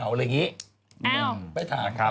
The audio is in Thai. อะไรอย่างงี้